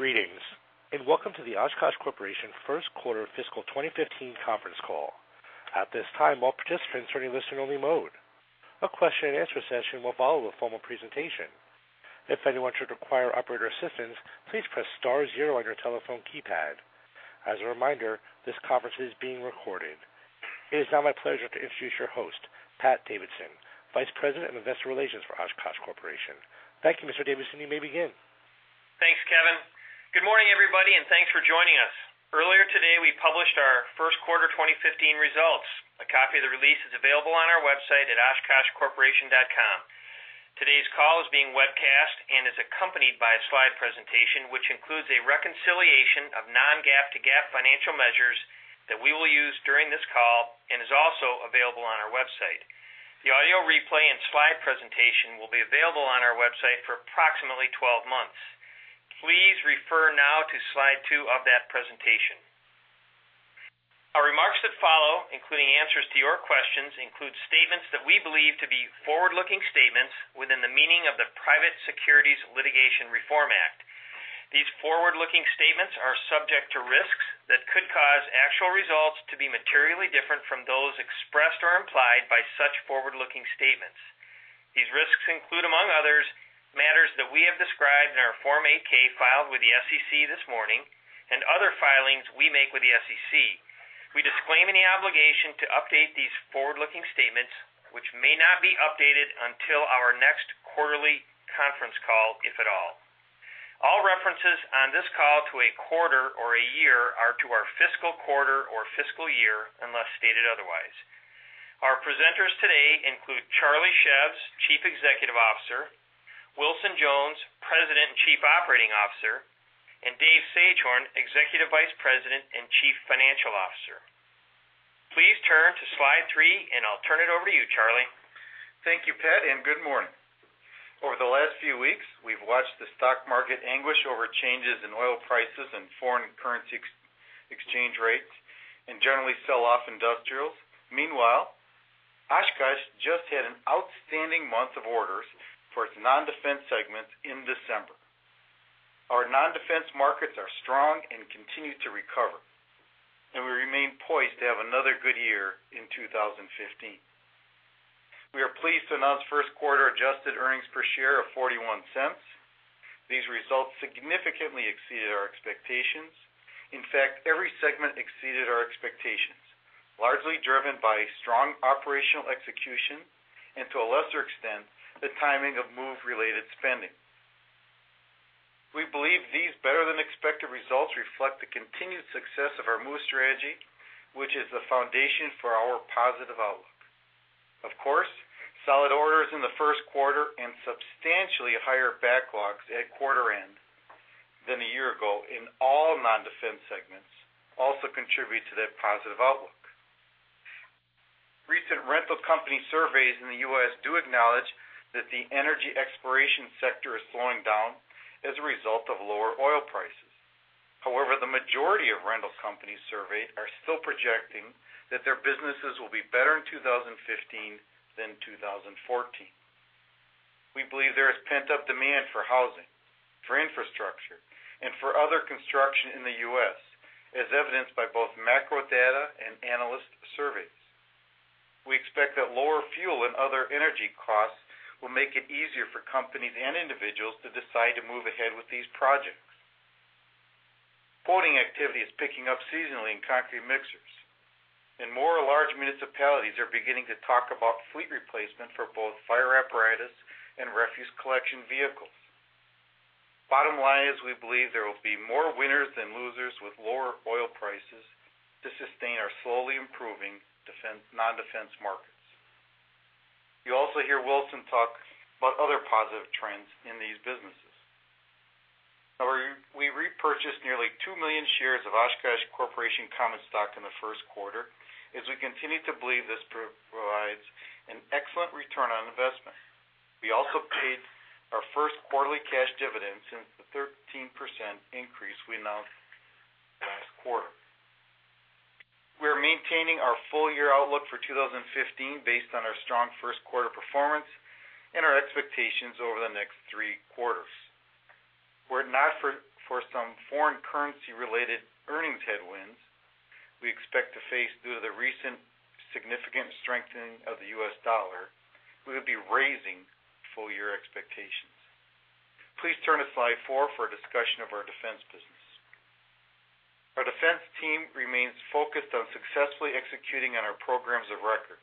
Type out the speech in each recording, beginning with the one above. Greetings, and welcome to the Oshkosh Corporation First Quarter Fiscal 2015 Conference Call. At this time, all participants are in a listen-only mode. A question-and-answer session will follow a formal presentation. If anyone should require operator assistance, please press star zero on your telephone keypad. As a reminder, this conference is being recorded. It is now my pleasure to introduce your host, Pat Davidson, Vice President of Investor Relations for Oshkosh Corporation. Thank you, Mr. Davidson, you may begin. Thanks, Kevin. Good morning, everybody, and thanks for joining us. Earlier today, we published our First Quarter 2015 results. A copy of the release is available on our website at OshkoshCorporation.com. Today's call is being webcast and is accompanied by a slide presentation which includes a reconciliation of non-GAAP to GAAP financial measures that we will use during this call and is also available on our website. The audio replay and slide presentation will be available on our website for approximately 12 months. Please refer now to Slide 2 of that presentation. Our remarks that follow, including answers to your questions, include statements that we believe to be forward-looking statements within the meaning of the Private Securities Litigation Reform Act. These forward-looking statements are subject to risks that could cause actual results to be materially different from those expressed or implied by such forward-looking statements. These risks include, among others, matters that we have described in our Form 8-K filed with the SEC this morning and other filings we make with the SEC. We disclaim any obligation to update these forward-looking statements, which may not be updated until our next quarterly conference call, if at all. All references on this call to a quarter or a year are to our fiscal quarter or fiscal year, unless stated otherwise. Our presenters today include Charles Szews, Chief Executive Officer; Wilson Jones, President and Chief Operating Officer; and David Sagehorn, Executive Vice President and Chief Financial Officer. Please turn to Slide 3, and I'll turn it over to you, Charlie. Thank you, Pat, and good morning. Over the last few weeks, we've watched the stock market anguish over changes in oil prices and foreign currency exchange rates and generally sell off industrials. Meanwhile, Oshkosh just had an outstanding month of orders for its non-defense segments in December. Our non-defense markets are strong and continue to recover, and we remain poised to have another good year in 2015. We are pleased to announce first quarter adjusted earnings per share of $0.41. These results significantly exceeded our expectations. In fact, every segment exceeded our expectations, largely driven by strong operational execution and, to a lesser extent, the timing of MOVE-related spending. We believe these better-than-expected results reflect the continued success of our MOVE Strategy, which is the foundation for our positive outlook. Of course, solid orders in the first quarter and substantially higher backlogs at quarter end than a year ago in all non-defense segments also contribute to that positive outlook. Recent rental company surveys in the U.S. do acknowledge that the energy exploration sector is slowing down as a result of lower oil prices. However, the majority of rental companies surveyed are still projecting that their businesses will be better in 2015 than 2014. We believe there is pent-up demand for housing, for infrastructure, and for other construction in the U.S., as evidenced by both macro data and analyst surveys. We expect that lower fuel and other energy costs will make it easier for companies and individuals to decide to move ahead with these projects. Ordering activity is picking up seasonally in concrete mixers, and more large municipalities are beginning to talk about fleet replacement for both fire apparatus and refuse collection vehicles. Bottom line is we believe there will be more winners than losers with lower oil prices to sustain our slowly improving non-defense markets. You also hear Wilson talk about other positive trends in these businesses. We repurchased nearly 2 million shares of Oshkosh Corporation Common Stock in the first quarter, as we continue to believe this provides an excellent return on investment. We also paid our first quarterly cash dividend since the 13% increase we announced last quarter. We are maintaining our full-year outlook for 2015 based on our strong first quarter performance and our expectations over the next three quarters. Were it not for some foreign currency-related earnings headwinds we expect to face due to the recent significant strengthening of the U.S. dollar. We will be raising full-year expectations. Please turn to Slide 4 for a discussion of our defense business. Our defense team remains focused on successfully executing on our programs of record,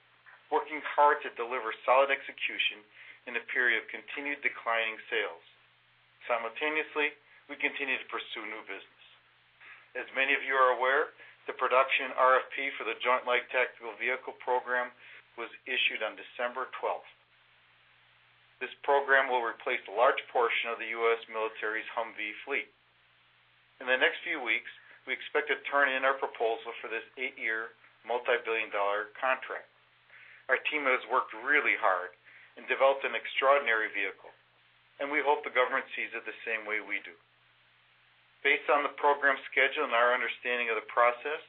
working hard to deliver solid execution in a period of continued declining sales. Simultaneously, we continue to pursue new business. As many of you are aware, the production RFP for the Joint Light Tactical Vehicle Program was issued on December 12th. This program will replace a large portion of the U.S. military's Humvee fleet. In the next few weeks, we expect to turn in our proposal for this 8-year multi-billion-dollar contract. Our team has worked really hard and developed an extraordinary vehicle, and we hope the government sees it the same way we do. Based on the program schedule and our understanding of the process,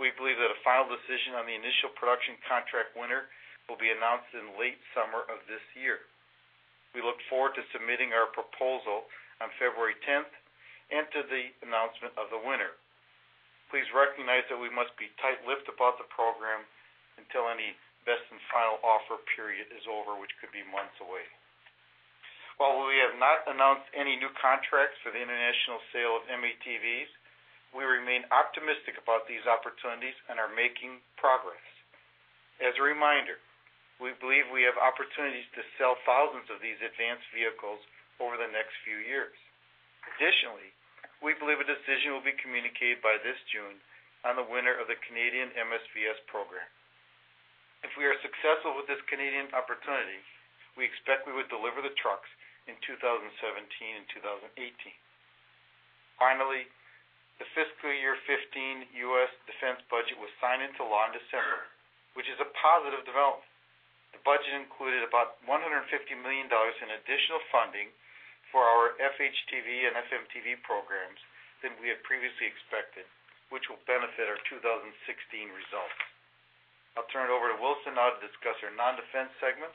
we believe that a final decision on the initial production contract winner will be announced in late summer of this year. We look forward to submitting our proposal on February 10th and to the announcement of the winner. Please recognize that we must be tight-lipped about the program until any best and final offer period is over, which could be months away. While we have not announced any new contracts for the international sale of M-ATVs, we remain optimistic about these opportunities and are making progress. As a reminder, we believe we have opportunities to sell thousands of these advanced vehicles over the next few years. Additionally, we believe a decision will be communicated by this June on the winner of the Canadian MSVS program. If we are successful with this Canadian opportunity, we expect we would deliver the trucks in 2017 and 2018. Finally, the fiscal year 2015 U.S. defense budget was signed into law in December, which is a positive development. The budget included about $150 million in additional funding for our FHTV and FMTV programs than we had previously expected, which will benefit our 2016 results. I'll turn it over to Wilson now to discuss our non-defense segments.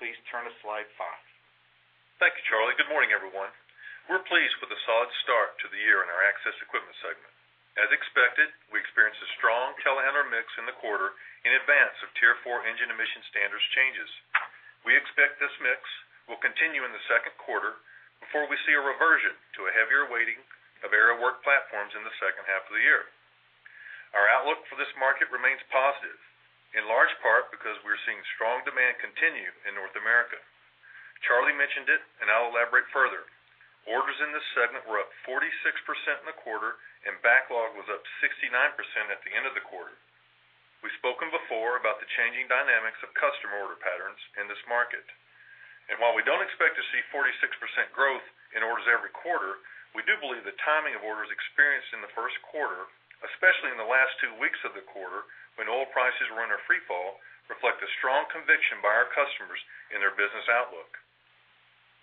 Please turn to Slide 5. Thank you, Charlie. Good morning, everyone. We're pleased with a solid start to the year in our access equipment segment. As expected, we experienced a strong telehandler mix in the quarter in advance of Tier 4 engine emission standards changes. We expect this mix will continue in the second quarter before we see a reversion to a heavier weighting of aerial work platforms in the second half of the year. Our outlook for this market remains positive, in large part because we're seeing strong demand continue in North America. Charlie mentioned it, and I'll elaborate further. Orders in this segment were up 46% in the quarter, and backlog was up 69% at the end of the quarter. We've spoken before about the changing dynamics of customer order patterns in this market. While we don't expect to see 46% growth in orders every quarter, we do believe the timing of orders experienced in the first quarter, especially in the last two weeks of the quarter when oil prices were in a freefall, reflects a strong conviction by our customers in their business outlook.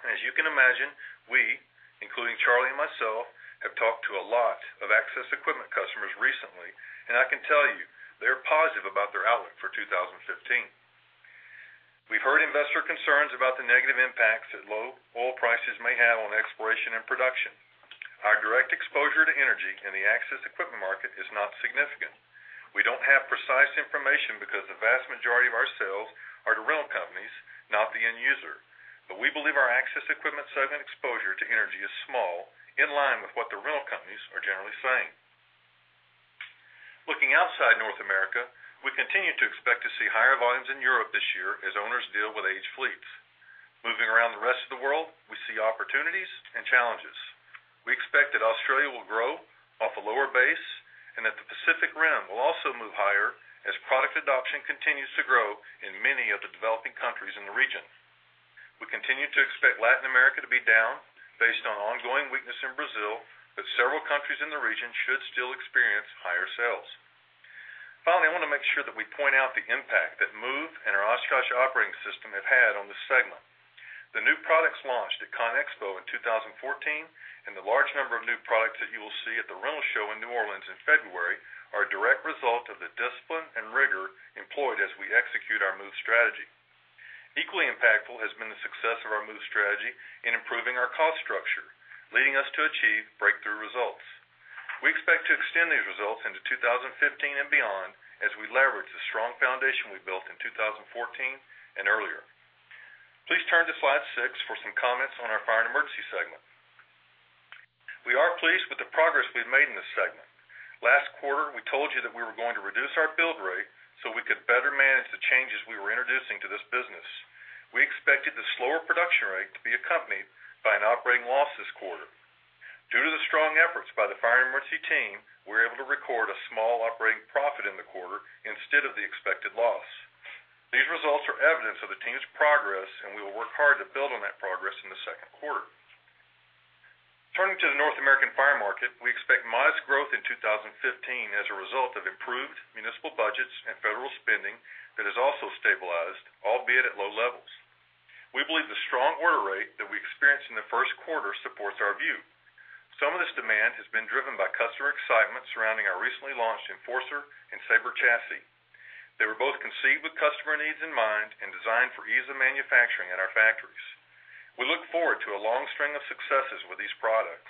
As you can imagine, we, including Charlie and myself, have talked to a lot of access equipment customers recently, and I can tell you they are positive about their outlook for 2015. We've heard investor concerns about the negative impacts that low oil prices may have on exploration and production. Our direct exposure to energy in the access equipment market is not significant. We don't have precise information because the vast majority of our sales are to rental companies, not the end user. But we believe our access equipment segment exposure to energy is small, in line with what the rental companies are generally saying. Looking outside North America, we continue to expect to see higher volumes in Europe this year as owners deal with aged fleets. Moving around the rest of the world, we see opportunities and challenges. We expect that Australia will grow off a lower base and that the Pacific Rim will also move higher as product adoption continues to grow in many of the developing countries in the region. We continue to expect Latin America to be down based on ongoing weakness in Brazil, but several countries in the region should still experience higher sales. Finally, I want to make sure that we point out the impact that MOVE and our Oshkosh Operating System have had on this segment. The new products launched at ConExpo in 2014 and the large number of new products that you will see at the rental show in New Orleans in February are a direct result of the discipline and rigor employed as we execute our MOVE Strategy. Equally impactful has been the success of our MOVE Strategy in improving our cost structure, leading us to achieve breakthrough results. We expect to extend these results into 2015 and beyond as we leverage the strong foundation we built in 2014 and earlier. Please turn to Slide 6 for some comments on our fire and emergency segment. We are pleased with the progress we've made in this segment. Last quarter, we told you that we were going to reduce our build rate so we could better manage the changes we were introducing to this business. We expected the slower production rate to be accompanied by an operating loss this quarter. Due to the strong efforts by the fire and emergency team, we were able to record a small operating profit in the quarter instead of the expected loss. These results are evidence of the team's progress, and we will work hard to build on that progress in the second quarter. Turning to the North American fire market, we expect modest growth in 2015 as a result of improved municipal budgets and federal spending that has also stabilized, albeit at low levels. We believe the strong order rate that we experienced in the first quarter supports our view. Some of this demand has been driven by customer excitement surrounding our recently launched Enforcer and Saber chassis. They were both conceived with customer needs in mind and designed for ease of manufacturing at our factories. We look forward to a long string of successes with these products.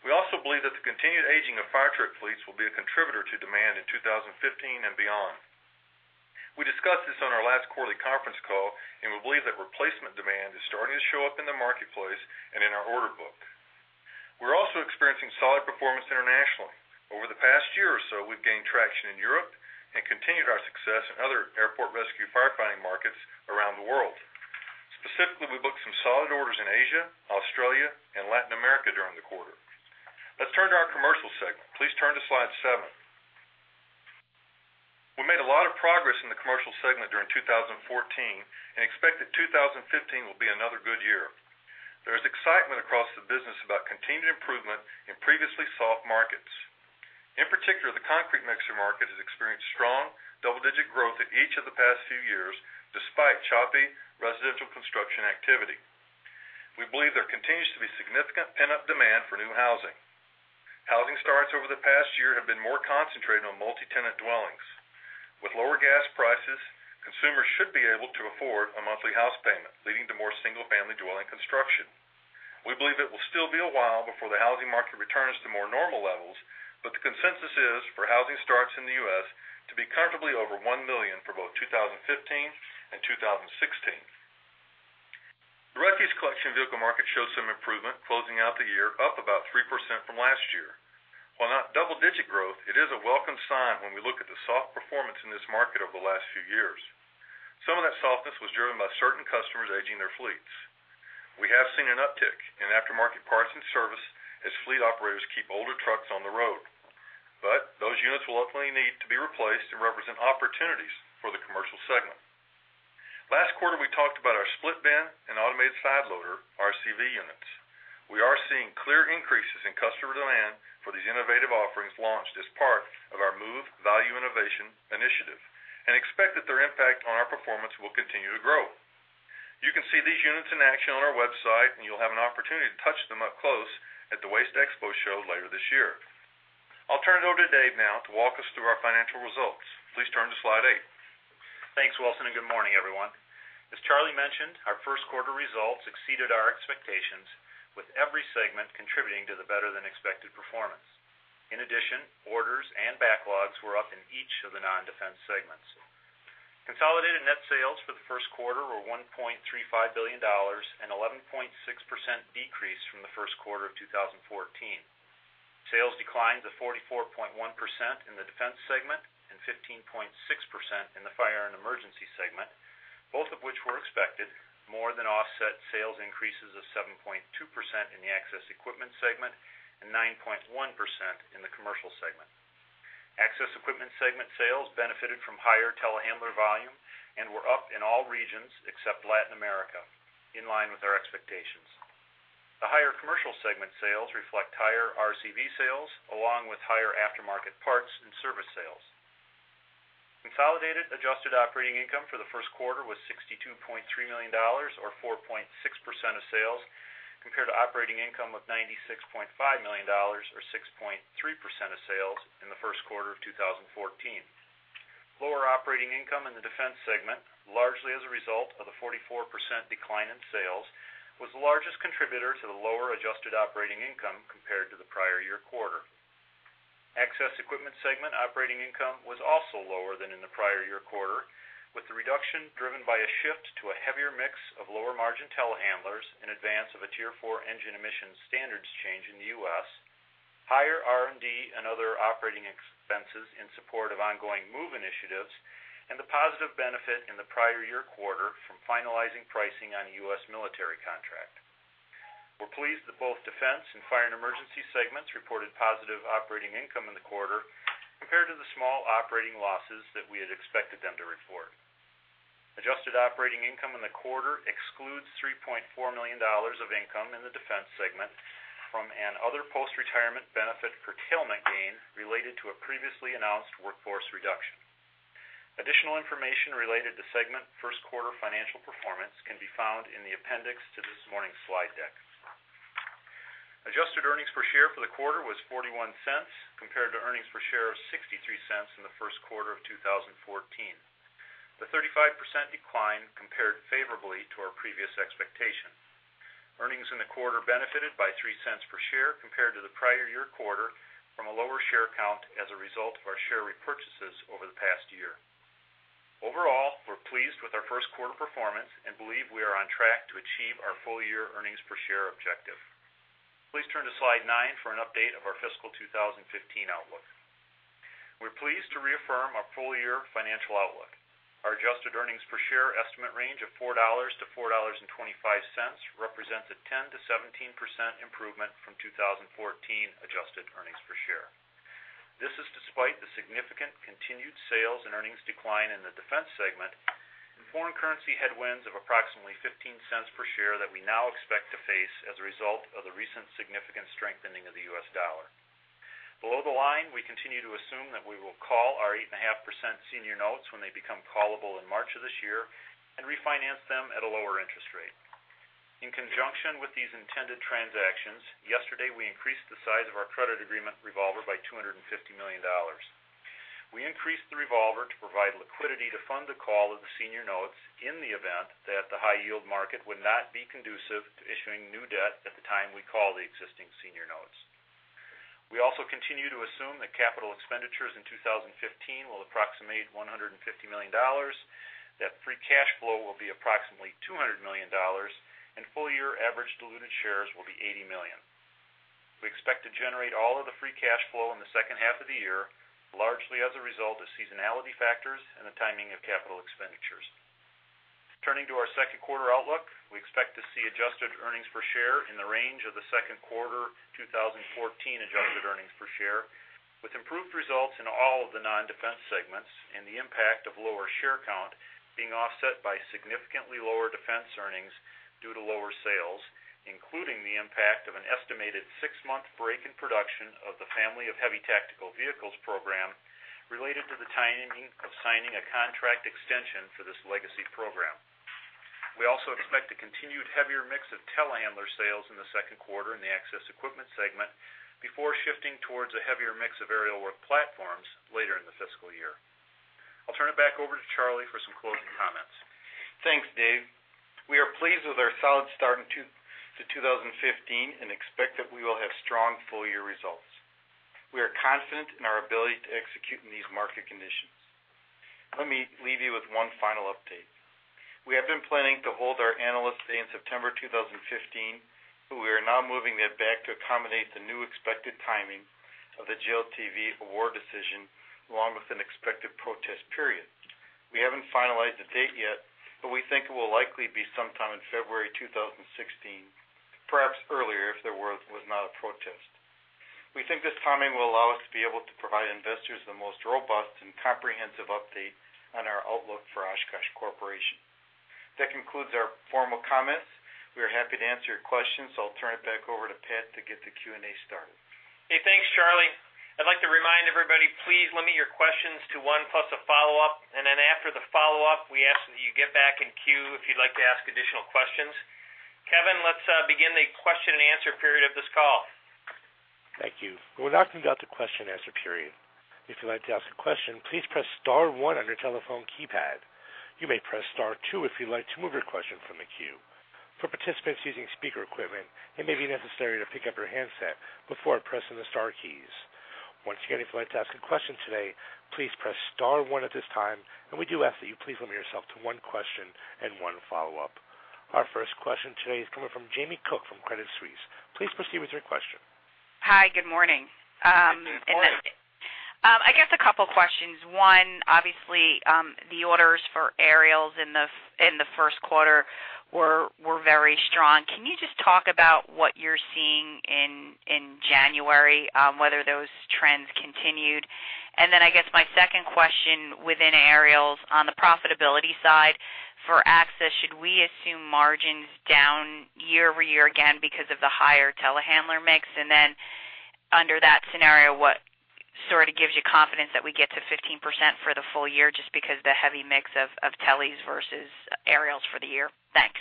We also believe that the continued aging of fire truck fleets will be a contributor to demand in 2015 and beyond. We discussed this on our last quarterly conference call, and we believe that replacement demand is starting to show up in the marketplace and in our order book. We're also experiencing solid performance internationally. Over the past year or so, we've gained traction in Europe and continued our success in other airport rescue firefighting markets around the world. Specifically, we booked some solid orders in Asia, Australia, and Latin America during the quarter. Let's turn to our Commercial Segment. Please turn to Slide 7. We made a lot of progress in the Commercial Segment during 2014 and expect that 2015 will be another good year. There is excitement across the business about continued improvement in previously soft markets. In particular, the concrete mixer market has experienced strong double-digit growth in each of the past few years despite choppy residential construction activity. We believe there continues to be significant pent-up demand for new housing. Housing starts over the past year have been more concentrated on multi-tenant dwellings. With lower gas prices, consumers should be able to afford a monthly house payment, leading to more single-family dwelling construction. We believe it will still be a while before the housing market returns to more normal levels, but the consensus is for housing starts in the U.S. to be comfortably over 1 million for both 2015 and 2016. The refuse collection vehicle market showed some improvement, closing out the year up about 3% from last year. While not double-digit growth, it is a welcome sign when we look at the soft performance in this market over the last few years. Some of that softness was driven by certain customers aging their fleets. We have seen an uptick in aftermarket parts and service as fleet operators keep older trucks on the road. But those units will ultimately need to be replaced and represent opportunities for the Commercial Segment. Last quarter, we talked about our Split Bin and Automated Side Loader, RCV units. We are seeing clear increases in customer demand for these innovative offerings launched as part of our MOVE Value Innovation initiative and expect that their impact on our performance will continue to grow. You can see these units in action on our website, and you'll have an opportunity to touch them up close at the WasteExpo show later this year. I'll turn it over to Dave now to walk us through our financial results. Please turn to Slide 8. Thanks, Wilson, and good morning, everyone. As Charlie mentioned, our first quarter results exceeded our expectations, with every segment contributing to the better-than-expected performance. In addition, orders and backlogs were up in each of the non-defense segments. Consolidated net sales for the first quarter were $1.35 billion, an 11.6% decrease from the first quarter of 2014. Sales declined to 44.1% in the defense segment and 15.6% in the fire and emergency segment, both of which were expected, more than offset sales increases of 7.2% in the access equipment segment and 9.1% in the Commercial segment. Access equipment segment sales benefited from higher telehandler volume and were up in all regions except Latin America, in line with our expectations. The higher Commercial segment sales reflect higher RCV sales, along with higher aftermarket parts and service sales. Consolidated adjusted operating income for the first quarter was $62.3 million, or 4.6% of sales, compared to operating income of $96.5 million, or 6.3% of sales, in the first quarter of 2014. Lower operating income in the defense segment, largely as a result of the 44% decline in sales, was the largest contributor to the lower adjusted operating income compared to the prior-year quarter. Access equipment segment operating income was also lower than in the prior-year quarter, with the reduction driven by a shift to a heavier mix of lower-margin telehandlers in advance of a Tier 4 engine emissions standards change in the U.S., higher R&D and other operating expenses in support of ongoing MOVE initiatives, and the positive benefit in the prior-year quarter from finalizing pricing on a U.S. military contract. We're pleased that both defense and fire and emergency segments reported positive operating income in the quarter compared to the small operating losses that we had expected them to report. Adjusted operating income in the quarter excludes $3.4 million of income in the defense segment from another post-retirement benefit curtailment gain related to a previously announced workforce reduction. Additional information related to segment first quarter financial performance can be found in the appendix to this morning's slide deck. Adjusted earnings per share for the quarter was $0.41 compared to earnings per share of $0.63 in the first quarter of 2014. The 35% decline compared favorably to our previous expectation. Earnings in the quarter benefited by $0.03 per share compared to the prior-year quarter from a lower share count as a result of our share repurchases over the past year. Overall, we're pleased with our first quarter performance and believe we are on track to achieve our full-year earnings per share objective. Please turn to Slide 9 for an update of our fiscal 2015 outlook. We're pleased to reaffirm our full-year financial outlook. Our adjusted earnings per share estimate range of $4-$4.25 represents a 10%-17% improvement from 2014 adjusted earnings per share. This is despite the significant continued sales and earnings decline in the defense segment and foreign currency headwinds of approximately $0.15 per share that we now expect to face as a result of the recent significant strengthening of the U.S. dollar. Below the line, we continue to assume that we will call our 8.5% senior notes when they become callable in March of this year and refinance them at a lower interest rate. In conjunction with these intended transactions, yesterday we increased the size of our credit agreement revolver by $250 million. We increased the revolver to provide liquidity to fund the call of the senior notes in the event that the high-yield market would not be conducive to issuing new debt at the time we call the existing senior notes. We also continue to assume that capital expenditures in 2015 will approximate $150 million, that free cash flow will be approximately $200 million, and full-year average diluted shares will be 80 million. We expect to generate all of the free cash flow in the second half of the year, largely as a result of seasonality factors and the timing of capital expenditures. Turning to our second quarter outlook, we expect to see adjusted earnings per share in the range of the second quarter 2014 adjusted earnings per share, with improved results in all of the non-defense segments and the impact of lower share count being offset by significantly lower defense earnings due to lower sales, including the impact of an estimated six-month break in production of the Family of Heavy Tactical Vehicles program related to the timing of signing a contract extension for this legacy program. We also expect a continued heavier mix of telehandler sales in the second quarter in the access equipment segment before shifting towards a heavier mix of aerial work platforms later in the fiscal year. I'll turn it back over to Charlie for some closing comments. Thanks, Dave. We are pleased with our solid start in 2015 and expect that we will have strong full-year results. We are confident in our ability to execute in these market conditions. Let me leave you with one final update. We have been planning to hold our analyst day in September 2015, but we are now moving that back to accommodate the new expected timing of the JLTV award decision, along with an expected protest period. We haven't finalized the date yet, but we think it will likely be sometime in February 2016, perhaps earlier if there was not a protest. We think this timing will allow us to be able to provide investors the most robust and comprehensive update on our outlook for Oshkosh Corporation. That concludes our formal comments. We are happy to answer your questions, so I'll turn it back over to Pat to get the Q&A started. Hey, thanks, Charlie. I'd like to remind everybody, please limit your questions to one plus a follow-up, and then after the follow-up, we ask that you get back in queue if you'd like to ask additional questions. Kevin, let's begin the question and answer period of this call. Thank you. We're now coming up to question and answer period. If you'd like to ask a question, please press star one on your telephone keypad. You may press star two if you'd like to move your question from the queue. For participants using speaker equipment, it may be necessary to pick up your handset before pressing the star keys. Once again, if you'd like to ask a question today, please press star one at this time, and we do ask that you please limit yourself to one question and one follow-up. Our first question today is coming from Jamie Cook from Credit Suisse. Please proceed with your question. Hi, good morning. Good morning. I guess a couple of questions. One, obviously, the orders for aerials in the first quarter were very strong. Can you just talk about what you're seeing in January, whether those trends continued? And then I guess my second question within aerials on the profitability side, for access, should we assume margins down year-over-year again because of the higher telehandler mix? And then under that scenario, what sort of gives you confidence that we get to 15% for the full-year just because of the heavy mix of teles versus aerials for the year? Thanks.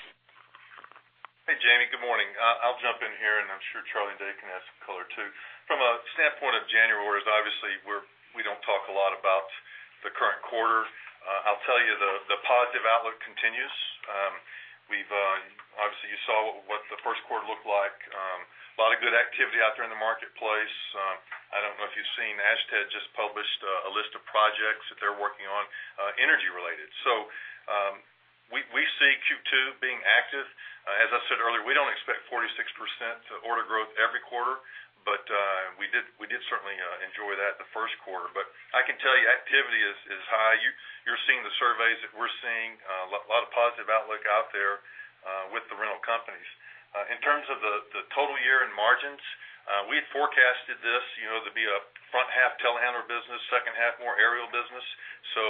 Hey, Jamie, good morning. I'll jump in here, and I'm sure Charlie and Dave can add some color too. From a standpoint of January orders, obviously, we don't talk a lot about the current quarter. I'll tell you the positive outlook continues. Obviously, you saw what the first quarter looked like. A lot of good activity out there in the marketplace. I don't know if you've seen Ashtead just published a list of projects that they're working on energy-related. So we see Q2 being active. As I said earlier, we don't expect 46% order growth every quarter, but we did certainly enjoy that the first quarter. But I can tell you activity is high. You're seeing the surveys that we're seeing. A lot of positive outlook out there with the rental companies. In terms of the total year and margins, we had forecasted this to be a front-half telehandler business, second-half more aerial business. So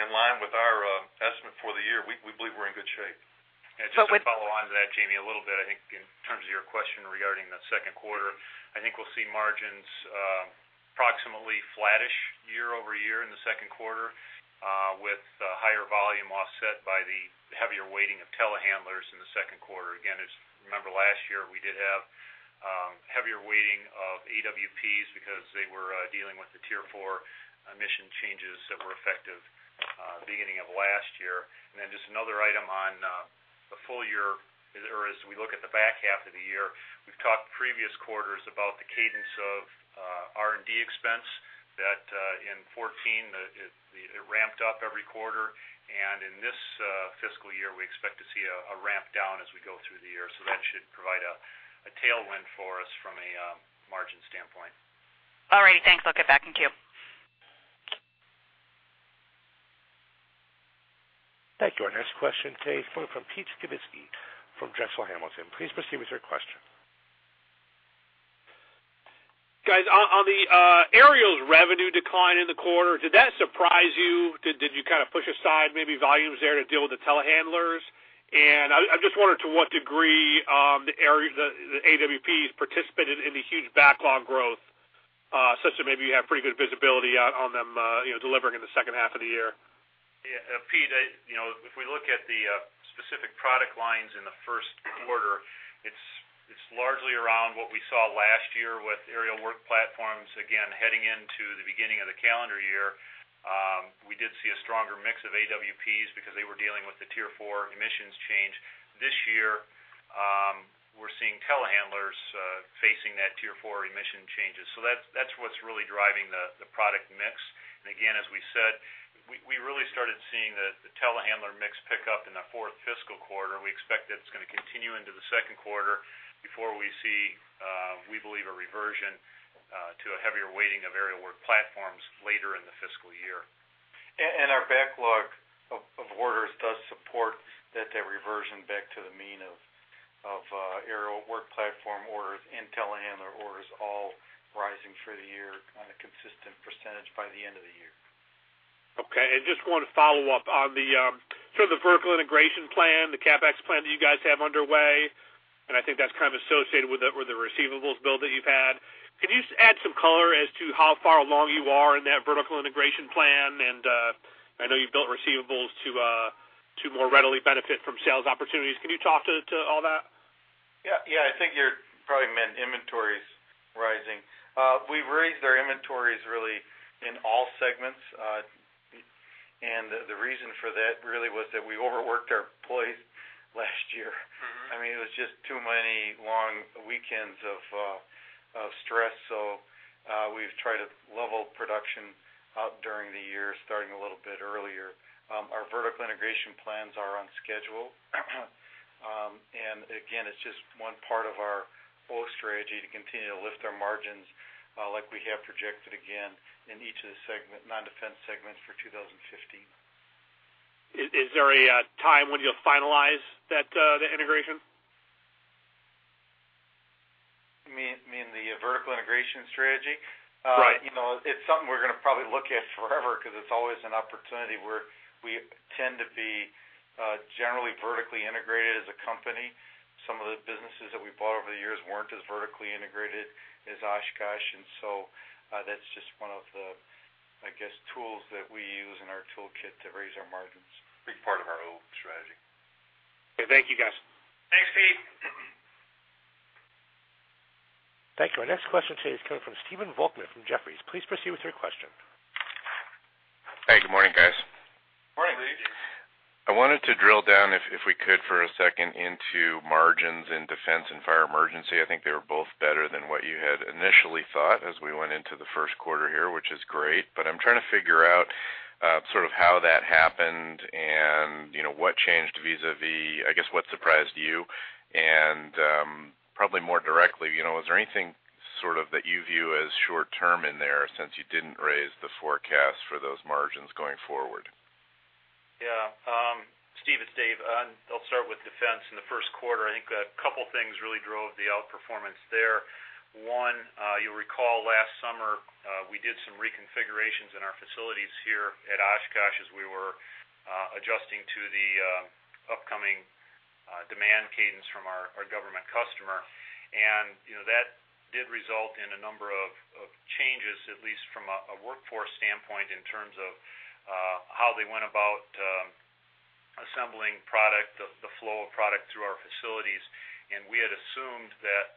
in line with our estimate for the year, we believe we're in good shape. Just to follow on to that, Jamie, a little bit, I think in terms of your question regarding the second quarter, I think we'll see margins approximately flattish year-over-year in the second quarter, with higher volume offset by the heavier weighting of telehandlers in the second quarter. Again, remember last year we did have heavier weighting of AWPs because they were dealing with the Tier 4 emission changes that were effective at the beginning of last year. And then just another item on the full-year, or as we look at the back half of the year, we've talked previous quarters about the cadence of R&D expense that in 2014 it ramped up every quarter. And in this fiscal year, we expect to see a ramp down as we go through the year. So that should provide a tailwind for us from a margin standpoint. All righty. Thanks. I'll get back in queue. Thank you. Our next question today is coming from Pete Skibitski from Drexel Hamilton. Please proceed with your question. Guys, on the aerials revenue decline in the quarter, did that surprise you? Did you kind of push aside maybe volumes there to deal with the telehandlers? And I'm just wondering to what degree the AWPs participated in the huge backlog growth such that maybe you have pretty good visibility on them delivering in the second half of the year. Yeah. Pete, if we look at the specific product lines in the first quarter, it's largely around what we saw last year with aerial work platforms, again, heading into the beginning of the calendar year. We did see a stronger mix of AWPs because they were dealing with the Tier 4 emissions change. This year, we're seeing telehandlers facing that Tier 4 emission changes. So that's what's really driving the product mix. And again, as we said, we really started seeing the telehandler mix pick up in the fourth fiscal quarter. We expect that it's going to continue into the second quarter before we see, we believe, a reversion to a heavier weighting of aerial work platforms later in the fiscal year. Our backlog of orders does support that reversion back to the mean of aerial work platform orders and telehandler orders all rising for the year on a consistent percentage by the end of the year. Okay. And just want to follow up on sort of the vertical integration plan, the CapEx plan that you guys have underway, and I think that's kind of associated with the receivables build that you've had. Can you add some color as to how far along you are in that vertical integration plan? And I know you've built receivables to more readily benefit from sales opportunities. Can you talk to all that? Yeah. Yeah. I think you probably meant inventories rising. We've raised our inventories really in all segments. And the reason for that really was that we overworked our employees last year. I mean, it was just too many long weekends of stress. So we've tried to level production out during the year, starting a little bit earlier. Our vertical integration plans are on schedule. And again, it's just one part of our whole strategy to continue to lift our margins like we have projected again in each of the non-defense segments for 2015. Is there a time when you'll finalize the integration? You mean the vertical integration strategy? Right. It's something we're going to probably look at forever because it's always an opportunity where we tend to be generally vertically integrated as a company. Some of the businesses that we bought over the years weren't as vertically integrated as Oshkosh. And so that's just one of the, I guess, tools that we use in our toolkit to raise our margins. A big part of our old strategy. Okay. Thank you, guys. Thanks, Pete. Thank you. Our next question today is coming from Stephen Volkmann from Jefferies. Please proceed with your question. Hey, good morning, guys. Morning, Steve. I wanted to drill down, if we could, for a second into margins in defense and fire emergency. I think they were both better than what you had initially thought as we went into the first quarter here, which is great. But I'm trying to figure out sort of how that happened and what changed vis-à-vis, I guess, what surprised you. And probably more directly, is there anything sort of that you view as short-term in there since you didn't raise the forecast for those margins going forward? Yeah. Steve, it's Dave. I'll start with defense. In the first quarter, I think a couple of things really drove the outperformance there. One, you'll recall last summer, we did some reconfigurations in our facilities here at Oshkosh as we were adjusting to the upcoming demand cadence from our government customer. And that did result in a number of changes, at least from a workforce standpoint, in terms of how they went about assembling product, the flow of product through our facilities. And we had assumed that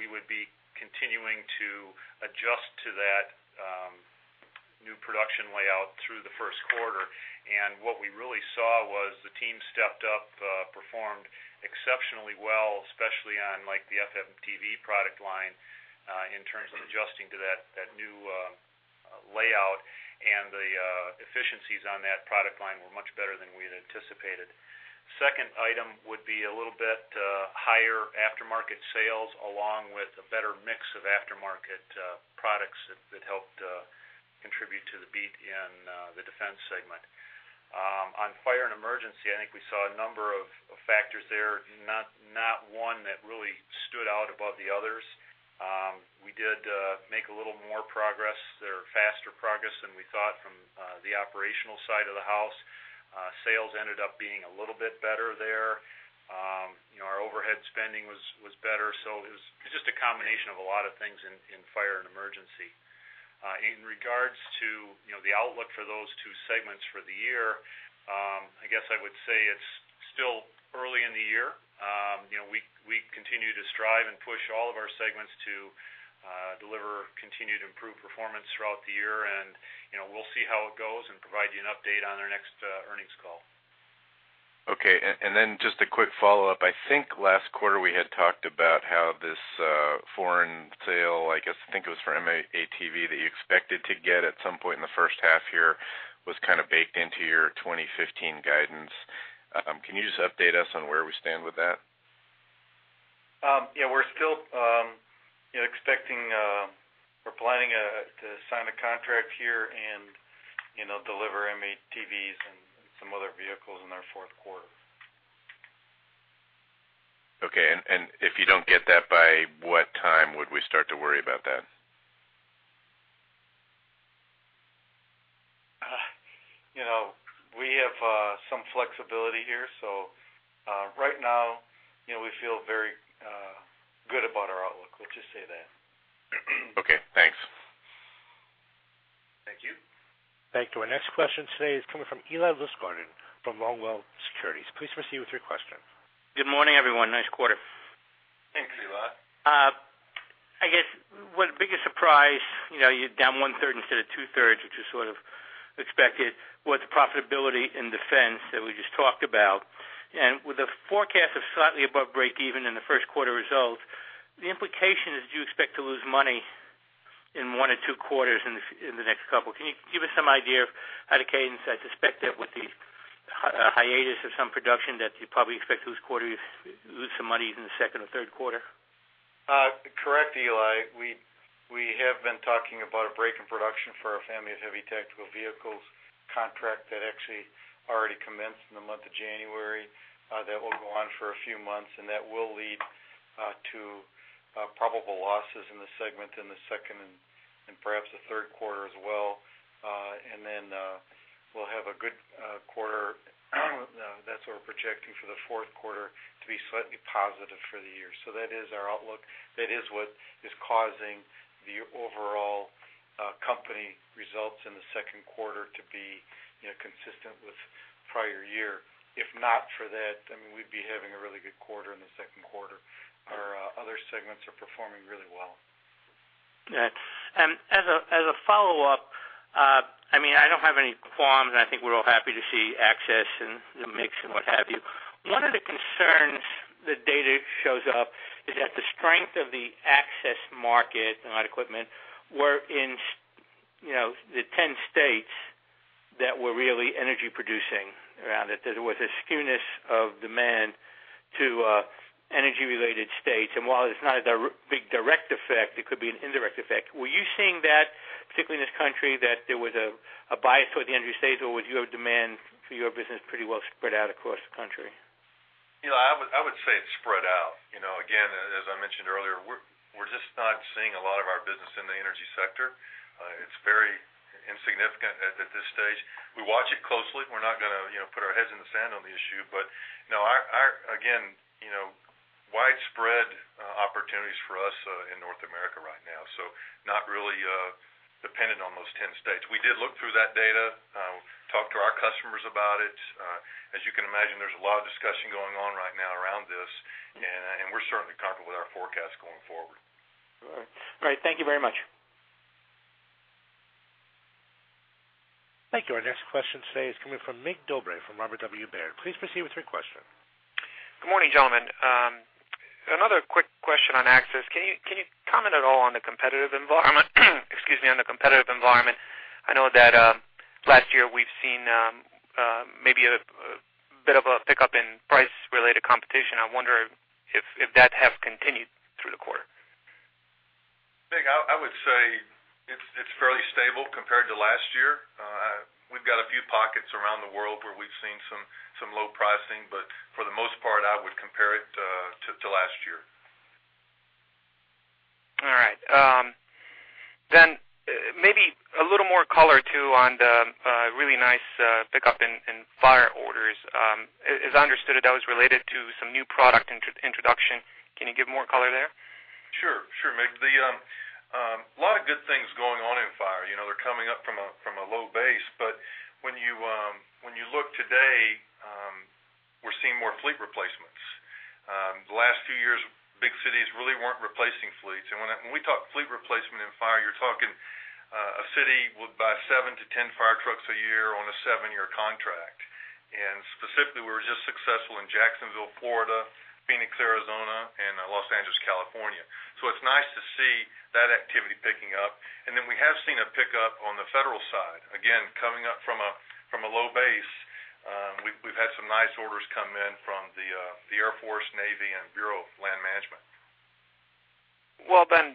we would be continuing to adjust to that new production layout through the first quarter. And what we really saw was the team stepped up, performed exceptionally well, especially on the FMTV product line in terms of adjusting to that new layout. And the efficiencies on that product line were much better than we had anticipated. Second item would be a little bit higher aftermarket sales, along with a better mix of aftermarket products that helped contribute to the beat in the defense segment. On fire and emergency, I think we saw a number of factors there, not one that really stood out above the others. We did make a little more progress or faster progress than we thought from the operational side of the house. Sales ended up being a little bit better there. Our overhead spending was better. So it was just a combination of a lot of things in fire and emergency. In regards to the outlook for those two segments for the year, I guess I would say it's still early in the year. We continue to strive and push all of our segments to deliver continued improved performance throughout the year. We'll see how it goes and provide you an update on our next earnings call. Okay. And then just a quick follow-up. I think last quarter we had talked about how this foreign sale, I guess I think it was for M-ATV that you expected to get at some point in the first half year was kind of baked into your 2015 guidance. Can you just update us on where we stand with that? Yeah. We're still expecting or planning to sign a contract here and deliver M-ATVs and some other vehicles in our fourth quarter. Okay. If you don't get that, by what time would we start to worry about that? We have some flexibility here. So right now, we feel very good about our outlook. Let's just say that. Okay. Thanks. Thank you. Thank you. Our next question today is coming from Eli Lustgarten from Longbow Research. Please proceed with your question. Good morning, everyone. Nice quarter. Thanks, Eli. I guess what biggest surprise you're down 1/3 instead of 2/3, which is sort of expected, was the profitability in defense that we just talked about. With a forecast of slightly above break-even in the first quarter results, the implication is you expect to lose money in one or two quarters in the next couple. Can you give us some idea of how to cadence? I suspect that with the hiatus of some production that you probably expect to lose some money in the second or third quarter. Correct, Eli. We have been talking about a break in production for our family of heavy tactical vehicles contract that actually already commenced in the month of January. That will go on for a few months, and that will lead to probable losses in the segment in the second and perhaps the third quarter as well. And then we'll have a good quarter. That's what we're projecting for the fourth quarter to be slightly positive for the year. So that is our outlook. That is what is causing the overall company results in the second quarter to be consistent with prior-year. If not for that, I mean, we'd be having a really good quarter in the second quarter. Our other segments are performing really well. Yeah. As a follow-up, I mean, I don't have any qualms. I think we're all happy to see access and the mix and what have you. One of the concerns the data shows up is that the strength of the access market and equipment were in the 10 states that were really energy-producing. There was a skewness of demand to energy-related states. And while it's not a big direct effect, it could be an indirect effect. Were you seeing that, particularly in this country, that there was a bias toward the energy states, or was your demand for your business pretty well spread out across the country? Eli, I would say it's spread out. Again, as I mentioned earlier, we're just not seeing a lot of our business in the energy sector. It's very insignificant at this stage. We watch it closely. We're not going to put our heads in the sand on the issue. But no, again, widespread opportunities for us in North America right now. So not really dependent on those 10 states. We did look through that data, talked to our customers about it. As you can imagine, there's a lot of discussion going on right now around this. And we're certainly comfortable with our forecast going forward. All right. All right. Thank you very much. Thank you. Our next question today is coming from Mig Dobre from Robert W. Baird. Please proceed with your question. Good morning, gentlemen. Another quick question on access. Can you comment at all on the competitive environment? Excuse me, on the competitive environment. I know that last year we've seen maybe a bit of a pickup in price-related competition. I wonder if that has continued through the quarter. I would say it's fairly stable compared to last year. We've got a few pockets around the world where we've seen some low pricing. But for the most part, I would compare it to last year. All right. Then maybe a little more color too on the really nice pickup in fire orders. As I understood it, that was related to some new product introduction. Can you give more color there? Sure. Sure. A lot of good things going on in fire. They're coming up from a low base. But when you look today, we're seeing more fleet replacements. The last few years, big cities really weren't replacing fleets. And when we talk fleet replacement in fire, you're talking a city would buy 7-10 fire trucks a year on a 7-year contract. And specifically, we were just successful in Jacksonville, Florida, Phoenix, Arizona, and Los Angeles, California. So it's nice to see that activity picking up. And then we have seen a pickup on the federal side. Again, coming up from a low base, we've had some nice orders come in from the Air Force, Navy, and Bureau of Land Management. Well, then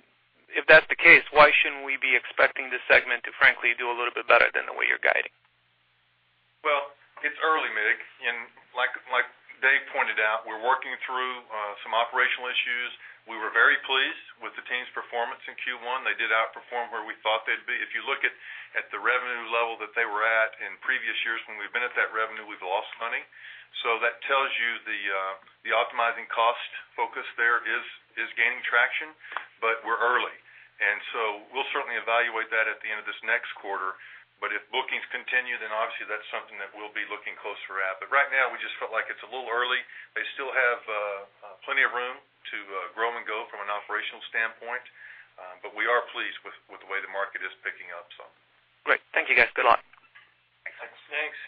if that's the case, why shouldn't we be expecting the segment to, frankly, do a little bit better than the way you're guiding? Well, it's early, Mick. Like Dave pointed out, we're working through some operational issues. We were very pleased with the team's performance in Q1. They did outperform where we thought they'd be. If you look at the revenue level that they were at in previous years when we've been at that revenue, we've lost money. So that tells you the optimizing cost focus there is gaining traction, but we're early. So we'll certainly evaluate that at the end of this next quarter. But if bookings continue, then obviously that's something that we'll be looking closer at. But right now, we just felt like it's a little early. They still have plenty of room to grow and go from an operational standpoint. But we are pleased with the way the market is picking up, so. Great. Thank you, guys. Good luck. Thanks.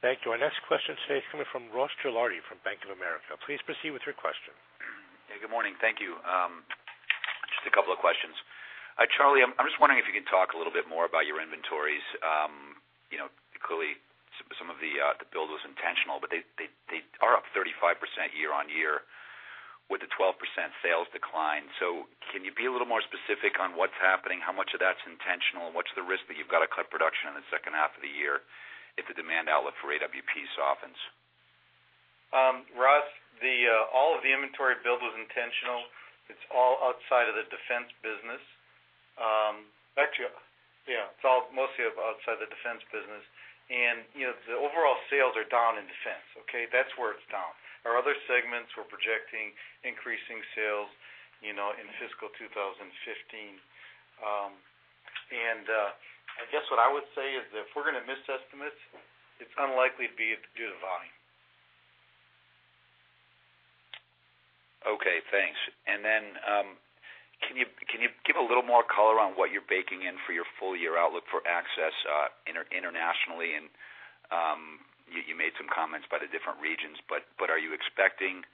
Thank you. Our next question today is coming from Ross Gilardi from Bank of America. Please proceed with your question. Hey, good morning. Thank you. Just a couple of questions. Charlie, I'm just wondering if you can talk a little bit more about your inventories. Clearly, some of the build was intentional, but they are up 35% year-over-year with a 12% sales decline. So can you be a little more specific on what's happening, how much of that's intentional, and what's the risk that you've got to cut production in the second half of the year if the demand outlook for AWP softens? Ross, all of the inventory build was intentional. It's all outside of the defense business. Actually, yeah, it's all mostly outside the defense business. And the overall sales are down in defense, okay? That's where it's down. Our other segments were projecting increasing sales in fiscal 2015. And I guess what I would say is that if we're going to miss estimates, it's unlikely to be due to volume. Okay. Thanks. Then can you give a little more color on what you're baking in for your full-year outlook for access internationally? You made some comments about the different regions. But are you expecting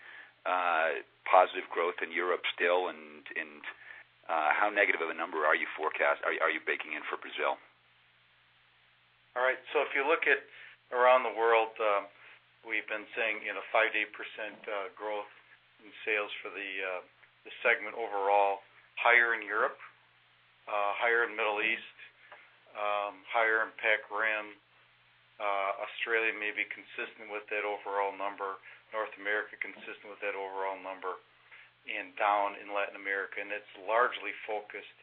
positive growth in Europe still? How negative of a number are you forecasting? Are you baking in for Brazil? All right. So if you look at around the world, we've been seeing 5%-8% growth in sales for the segment overall. Higher in Europe, higher in the Middle East, higher in Pacific Rim. Australia may be consistent with that overall number. North America consistent with that overall number. And down in Latin America. And it's largely focused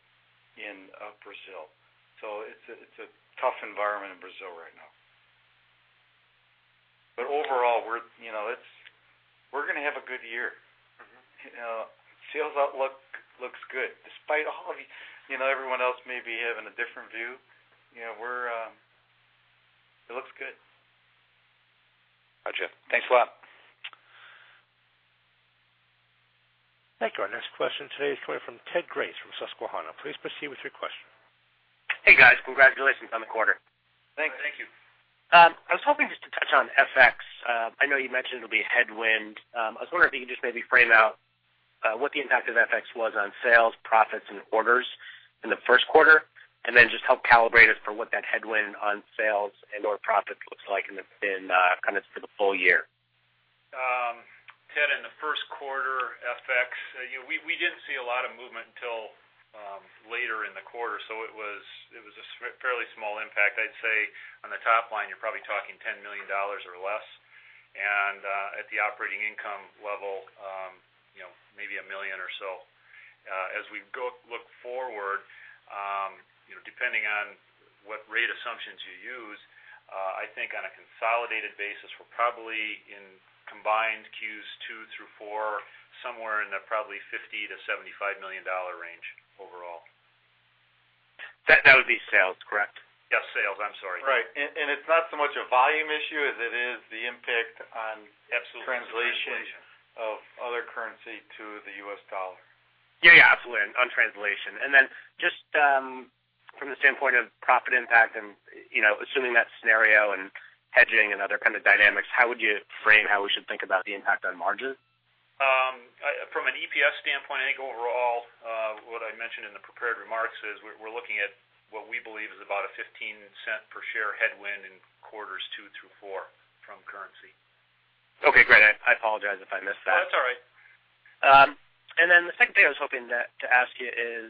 in Brazil. So it's a tough environment in Brazil right now. But overall, we're going to have a good year. Sales outlook looks good. Despite all of everyone else maybe having a different view, it looks good. Gotcha. Thanks a lot. Thank you. Our next question today is coming from Ted Grace from Susquehanna. Please proceed with your question. Hey, guys. Congratulations on the quarter. Thanks. Thank you. I was hoping just to touch on FX. I know you mentioned it'll be a headwind. I was wondering if you could just maybe frame out what the impact of FX was on sales, profits, and orders in the first quarter, and then just help calibrate us for what that headwind on sales and/or profits looks like in kind of for the full-year. Ted, in the first quarter, FX, we didn't see a lot of movement until later in the quarter. So it was a fairly small impact. I'd say on the top line, you're probably talking $10 million or less. At the operating income level, maybe $1 million or so. As we look forward, depending on what rate assumptions you use, I think on a consolidated basis, we're probably in combined Q2 through Q4, somewhere in the $50-$75 million range overall. That would be sales, correct? Yes, sales. I'm sorry. Right. It's not so much a volume issue as it is the impact on translation of other currency to the US dollar. Yeah, yeah. Absolutely. On translation. And then just from the standpoint of profit impact and assuming that scenario and hedging and other kind of dynamics, how would you frame how we should think about the impact on margin? From an EPS standpoint, I think overall, what I mentioned in the prepared remarks is we're looking at what we believe is about a $0.15 per share headwind in quarters 2 through 4 from currency. Okay. Great. I apologize if I missed that. Oh, that's all right. And then the second thing I was hoping to ask you is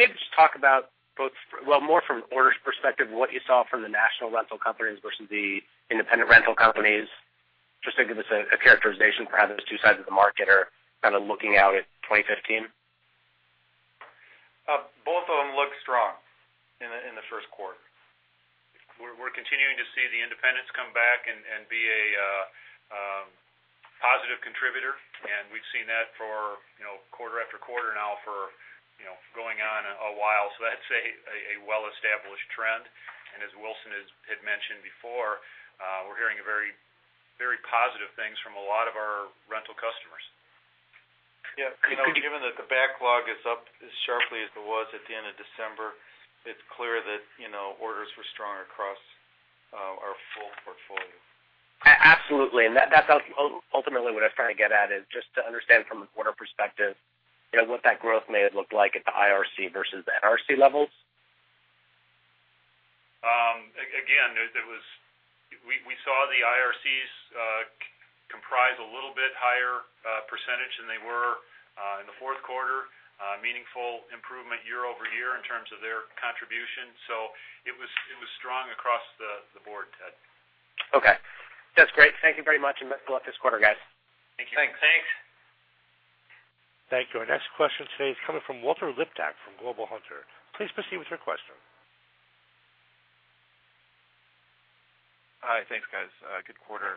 maybe just talk about both, well, more from an orders perspective, what you saw from the national rental companies versus the independent rental companies. Just to give us a characterization for how those two sides of the market are kind of looking out at 2015. Both of them look strong in the first quarter. We're continuing to see the independents come back and be a positive contributor. We've seen that for quarter after quarter now for going on a while. That's a well-established trend. As Wilson had mentioned before, we're hearing very positive things from a lot of our rental customers. Yeah. Given that the backlog is up as sharply as it was at the end of December, it's clear that orders were strong across our full portfolio. Absolutely. And that's ultimately what I was trying to get at is just to understand from an order perspective what that growth may have looked like at the IRC versus the NRC levels. Again, we saw the IRCs comprise a little bit higher percentage than they were in the fourth quarter. Meaningful improvement year-over-year in terms of their contribution. So it was strong across the board, Ted. Okay. That's great. Thank you very much and best of luck this quarter, guys. Thank you. Thanks. Thank you. Our next question today is coming from Walter Liptak from Global Hunter. Please proceed with your question. Hi. Thanks, guys. Good quarter.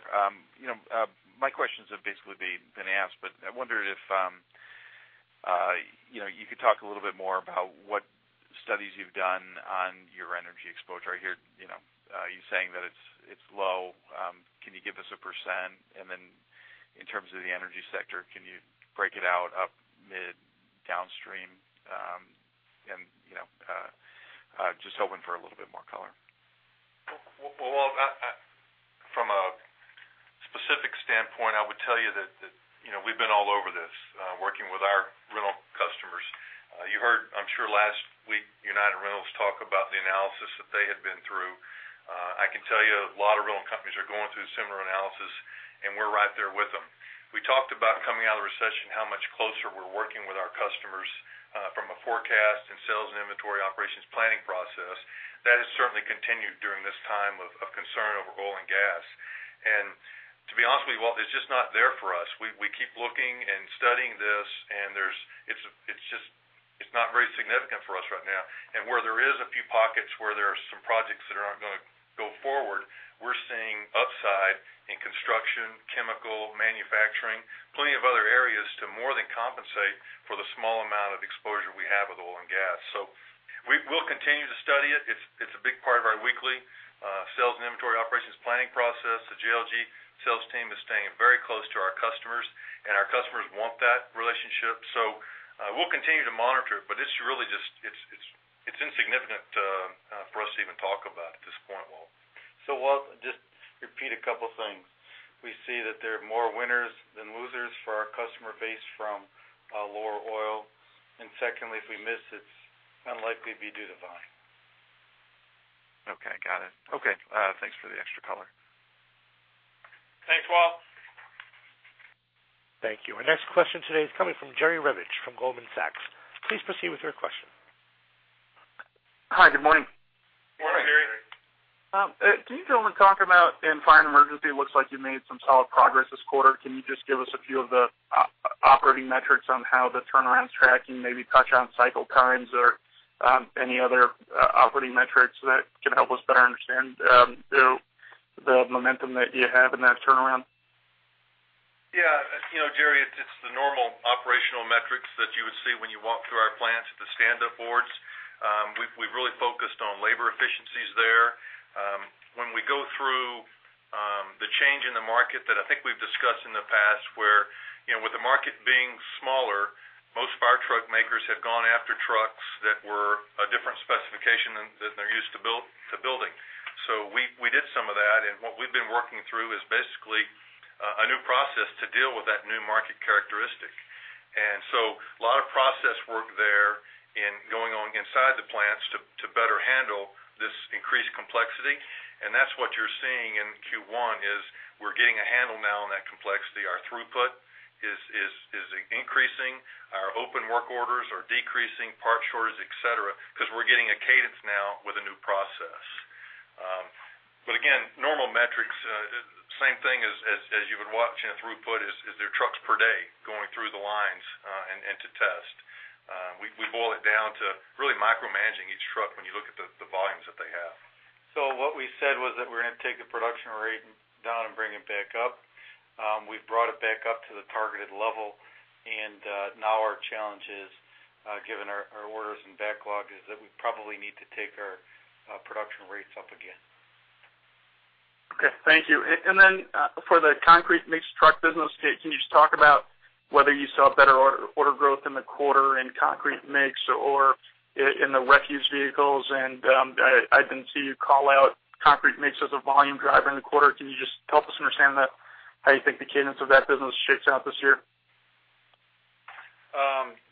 My questions have basically been asked, but I wondered if you could talk a little bit more about what studies you've done on your energy exposure. I hear you saying that it's low. Can you give us a %? And then in terms of the energy sector, can you break it out upstream, midstream, downstream? And just hoping for a little bit more color. Well, from a specific standpoint, I would tell you that we've been all over this working with our rental customers. You heard, I'm sure, last week United Rentals talk about the analysis that they had been through. I can tell you a lot of rental companies are going through similar analysis, and we're right there with them. We talked about coming out of the recession, how much closer we're working with our customers from a forecast and sales and inventory operations planning process. That has certainly continued during this time of concern over oil and gas. And to be honest with you, well, it's just not there for us. We keep looking and studying this, and it's not very significant for us right now. Where there are a few pockets where there are some projects that are not going to go forward, we're seeing upside in construction, chemical, manufacturing, plenty of other areas to more than compensate for the small amount of exposure we have with oil and gas. We'll continue to study it. It's a big part of our weekly sales and inventory operations planning process. The JLG sales team is staying very close to our customers, and our customers want that relationship. We'll continue to monitor it. But it's really just insignificant for us to even talk about at this point, Walt. So Walt, just repeat a couple of things. We see that there are more winners than losers for our customer base from lower oil. And secondly, if we miss, it's unlikely to be due to volume. Okay. Got it. Okay. Thanks for the extra color. Thanks, Walt. Thank you. Our next question today is coming from Jerry Revich from Goldman Sachs. Please proceed with your question. Hi. Good morning. Morning, Jerry. Morning, Jerry. Can you tell me, talking about in Fire and Emergency, it looks like you made some solid progress this quarter. Can you just give us a few of the operating metrics on how the turnaround's tracking, maybe touch on cycle times or any other operating metrics that can help us better understand the momentum that you have in that turnaround? Yeah. Jerry, it's the normal operational metrics that you would see when you walk through our plants at the stand-up boards. We've really focused on labor efficiencies there. When we go through the change in the market that I think we've discussed in the past, where, with the market being smaller, most fire truck makers have gone after trucks that were a different specification than they're used to building. So we did some of that. And what we've been working through is basically a new process to deal with that new market characteristic. And so a lot of process work there and going on inside the plants to better handle this increased complexity. And that's what you're seeing in Q1 is we're getting a handle now on that complexity. Our throughput is increasing. Our open work orders are decreasing, part shortage, etc., because we're getting a cadence now with a new process. But again, normal metrics, same thing as you would watch in a throughput, is their trucks per day going through the lines and to test. We boil it down to really micromanaging each truck when you look at the volumes that they have. What we said was that we're going to take the production rate down and bring it back up. We've brought it back up to the targeted level. Now our challenge is, given our orders and backlog, is that we probably need to take our production rates up again. Okay. Thank you. And then for the concrete mix truck business, can you just talk about whether you saw better order growth in the quarter in concrete mix or in the refuse vehicles? And I didn't see you call out concrete mix as a volume driver in the quarter. Can you just help us understand how you think the cadence of that business shakes out this year?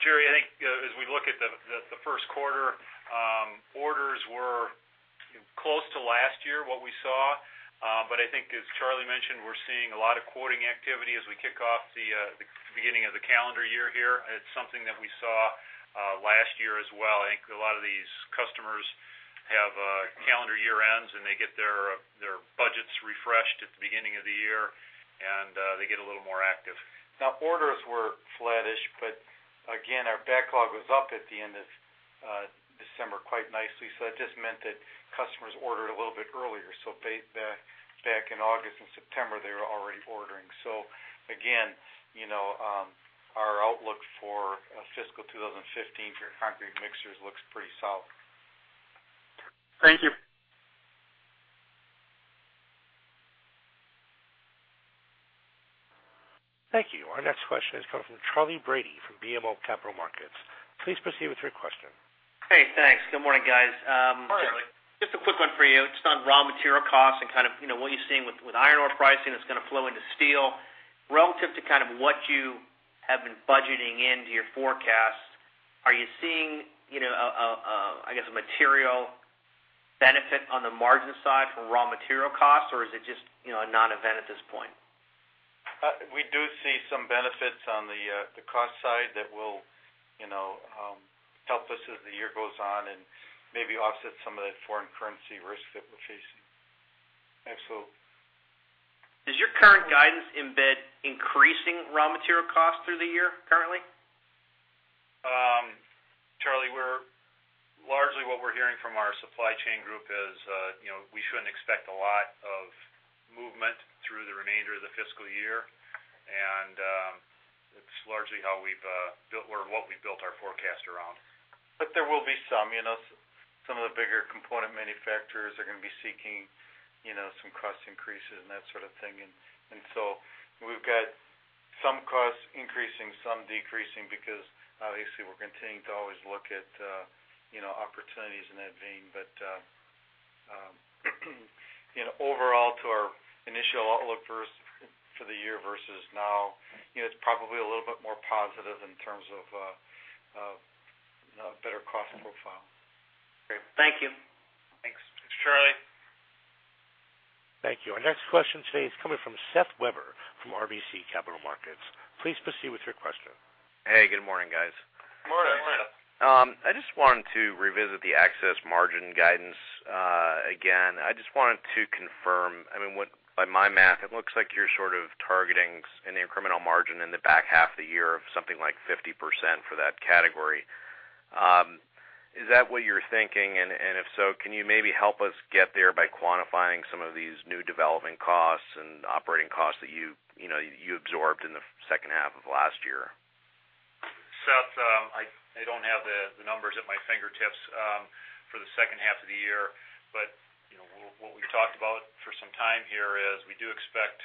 Jerry, I think as we look at the first quarter, orders were close to last year what we saw. But I think, as Charlie mentioned, we're seeing a lot of quoting activity as we kick off the beginning of the calendar year here. It's something that we saw last year as well. I think a lot of these customers have calendar year ends, and they get their budgets refreshed at the beginning of the year, and they get a little more active. Now, orders were flattish, but again, our backlog was up at the end of December quite nicely. So that just meant that customers ordered a little bit earlier. So back in August and September, they were already ordering. So again, our outlook for fiscal 2015 for concrete mixers looks pretty solid. Thank you. Thank you. Our next question is coming from Charlie Brady from BMO Capital Markets. Please proceed with your question. Hey, thanks. Good morning, guys. Morning, Jerry. Just a quick one for you. Just on raw material costs and kind of what you're seeing with iron ore pricing that's going to flow into steel. Relative to kind of what you have been budgeting into your forecast, are you seeing, I guess, a material benefit on the margin side from raw material costs, or is it just a non-event at this point? We do see some benefits on the cost side that will help us as the year goes on and maybe offset some of the foreign currency risk that we're facing. Absolutely. Does your current guidance embed increasing raw material costs through the year currently? Charlie, largely what we're hearing from our supply chain group is we shouldn't expect a lot of movement through the remainder of the fiscal year. It's largely how we've built or what we've built our forecast around. But there will be some. Some of the bigger component manufacturers are going to be seeking some cost increases and that sort of thing. And so we've got some costs increasing, some decreasing because obviously we're continuing to always look at opportunities in that vein. But overall, to our initial outlook for the year versus now, it's probably a little bit more positive in terms of a better cost profile. Great. Thank you. Thanks. Thanks, Charlie. Thank you. Our next question today is coming from Seth Weber from RBC Capital Markets. Please proceed with your question. Hey, good morning, guys. Good morning. Hey, Seth. I just wanted to revisit the Access margin guidance again. I just wanted to confirm, I mean, by my math, it looks like you're sort of targeting an incremental margin in the back half of the year of something like 50% for that category. Is that what you're thinking? And if so, can you maybe help us get there by quantifying some of these new development costs and operating costs that you absorbed in the second half of last year? Seth, I don't have the numbers at my fingertips for the second half of the year. But what we've talked about for some time here is we do expect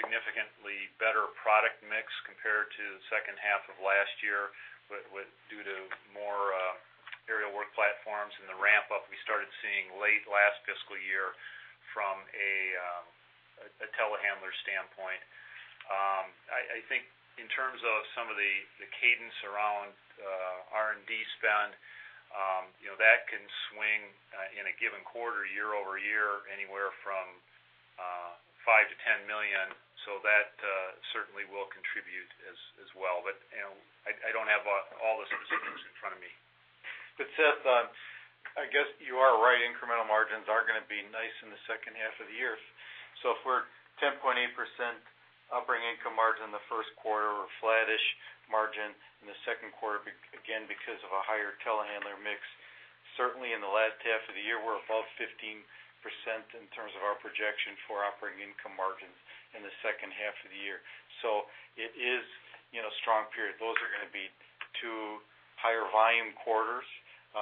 significantly better product mix compared to the second half of last year due to more aerial work platforms and the ramp-up we started seeing late last fiscal year from a telehandler standpoint. I think in terms of some of the cadence around R&D spend, that can swing in a given quarter year-over-year anywhere from $5 million to $10 million. So that certainly will contribute as well. But I don't have all the specifics in front of me. But Seth, I guess you are right. Incremental margins are going to be nice in the second half of the year. So if we're 10.8% operating income margin in the first quarter or flattish margin in the second quarter, again, because of a higher telehandler mix, certainly in the last half of the year, we're above 15% in terms of our projection for operating income margins in the second half of the year. So it is a strong period. Those are going to be two higher volume quarters.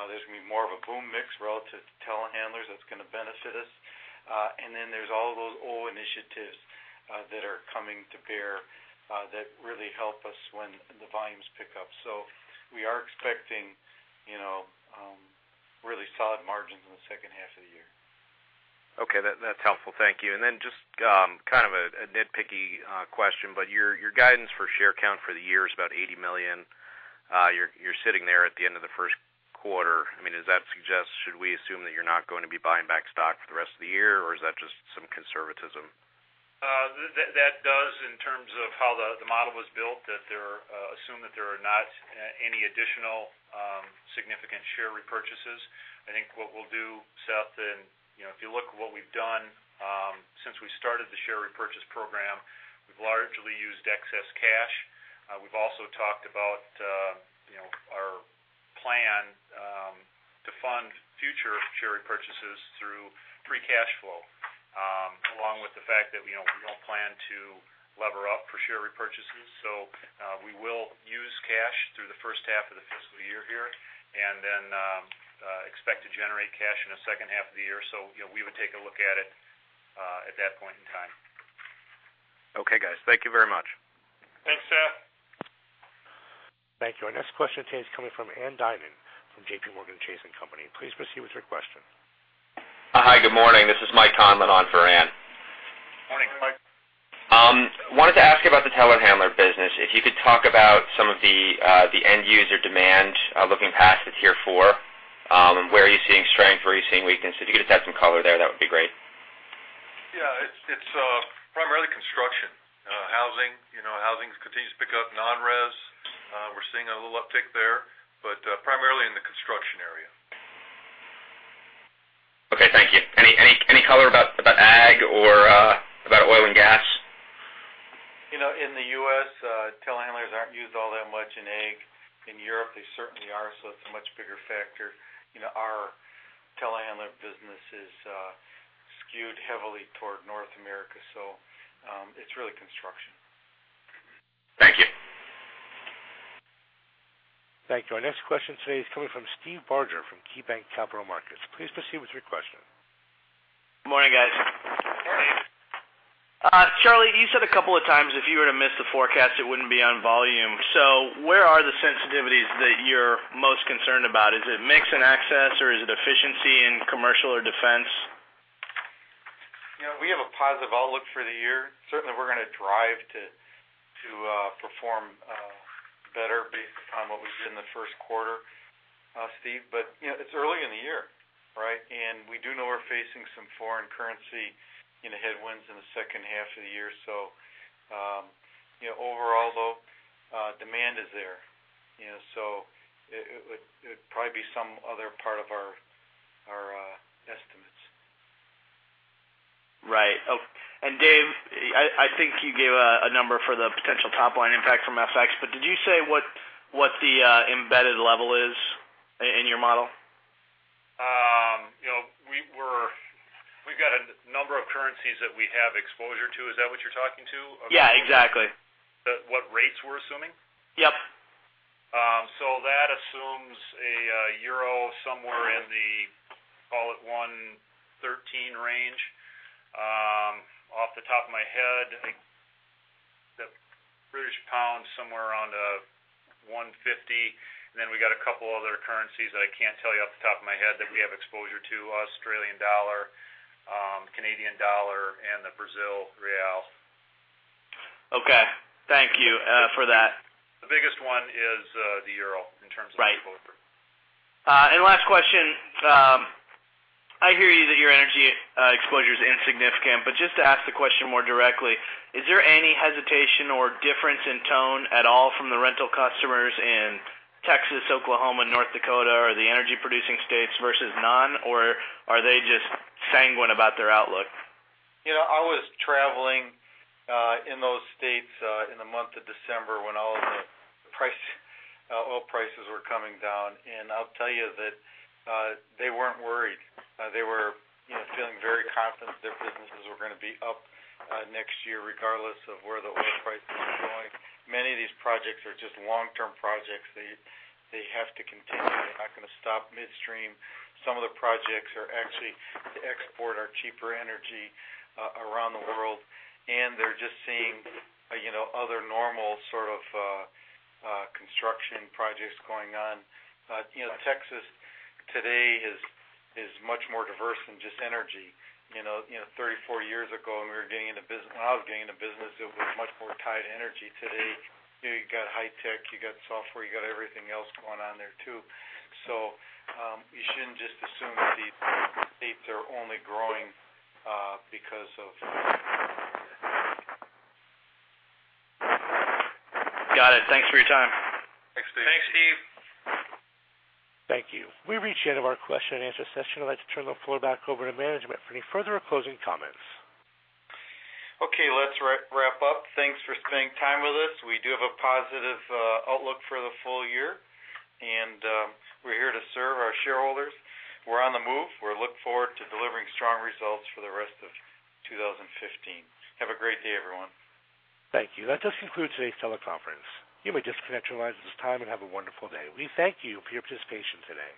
There's going to be more of a boom mix relative to telehandlers. That's going to benefit us. And then there's all those old initiatives that are coming to bear that really help us when the volumes pick up. So we are expecting really solid margins in the second half of the year. Okay. That's helpful. Thank you. And then just kind of a nitpicky question, but your guidance for share count for the year is about 80 million. You're sitting there at the end of the first quarter. I mean, does that suggest should we assume that you're not going to be buying back stock for the rest of the year, or is that just some conservatism? That does in terms of how the model was built, that they're assumed that there are not any additional significant share repurchases. I think what we'll do, Seth, and if you look at what we've done since we've started the share repurchase program, we've largely used excess cash. We've also talked about our plan to fund future share repurchases through free cash flow, along with the fact that we don't plan to lever up for share repurchases. So we will use cash through the first half of the fiscal year here and then expect to generate cash in the second half of the year. So we would take a look at it at that point in time. Okay, guys. Thank you very much. Thanks, Seth. Thank you. Our next question today is coming from Ann Duignan from JPMorgan Chase & Co. Please proceed with your question. Hi. Good morning. This is Mike Conlon on for Ann. Morning, Mike. Wanted to ask you about the telehandler business. If you could talk about some of the end user demand looking past the Tier 4, where are you seeing strength, where are you seeing weakness? If you could attach some color there, that would be great. Yeah. It's primarily construction. Housing continues to pick up. Non-res, we're seeing a little uptick there, but primarily in the construction area. Okay. Thank you. Any color about ag or about oil and gas? In the U.S., telehandlers aren't used all that much. In ag, in Europe, they certainly are. So it's a much bigger factor. Our telehandler business is skewed heavily toward North America. So it's really construction. Thank you. Thank you. Our next question today is coming from Steve Barger from KeyBanc Capital Markets. Please proceed with your question. Morning, guys. Morning. Charlie, you said a couple of times if you were to miss the forecast, it wouldn't be on volume. So where are the sensitivities that you're most concerned about? Is it mix and access, or is it efficiency in Commercial or Defense? We have a positive outlook for the year. Certainly, we're going to drive to perform better based upon what we did in the first quarter, Steve. But it's early in the year, right? And we do know we're facing some foreign currency headwinds in the second half of the year. So overall, though, demand is there. So it would probably be some other part of our estimates. Right. And Dave, I think you gave a number for the potential top line impact from FX, but did you say what the embedded level is in your model? We've got a number of currencies that we have exposure to. Is that what you're talking about? Yeah, exactly. What rates we're assuming? Yep. So that assumes a euro somewhere in the, call it, 1.13 range. Off the top of my head, the British pound somewhere around 1.50. And then we got a couple other currencies that I can't tell you off the top of my head that we have exposure to: Australian dollar, Canadian dollar, and the Brazilian real. Okay. Thank you for that. The biggest one is the euro in terms of exposure. Right. And last question. I hear you that your energy exposure is insignificant, but just to ask the question more directly, is there any hesitation or difference in tone at all from the rental customers in Texas, Oklahoma, North Dakota, or the energy-producing states versus none, or are they just sanguine about their outlook? I was traveling in those states in the month of December when all of the oil prices were coming down. I'll tell you that they weren't worried. They were feeling very confident that their businesses were going to be up next year regardless of where the oil prices are going. Many of these projects are just long-term projects. They have to continue. They're not going to stop midstream. Some of the projects are actually to export our cheaper energy around the world. And they're just seeing other normal sort of construction projects going on. Texas, today, is much more diverse than just energy. 34 years ago, when we were getting into business, when I was getting into business, it was much more tied to energy. Today, you've got high-tech, you've got software, you've got everything else going on there too. You shouldn't just assume that these states are only growing because of. Got it. Thanks for your time. Thanks, Steve. Thanks, Steve. Thank you. We've reached the end of our question and answer session. I'd like to turn the floor back over to management for any further or closing comments. Okay. Let's wrap up. Thanks for spending time with us. We do have a positive outlook for the full-year, and we're here to serve our shareholders. We're on the move. We look forward to delivering strong results for the rest of 2015. Have a great day, everyone. Thank you. That does conclude today's teleconference. You may disconnect your lines at this time and have a wonderful day. We thank you for your participation today.